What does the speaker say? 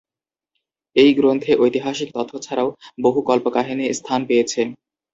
এই গ্রন্থে ঐতিহাসিক তথ্য ছাড়াও বহু কল্পকাহিনী স্থান পেয়েছে।